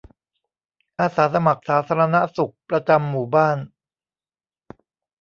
อาสาสมัครสาธารณสุขประจำหมู่บ้าน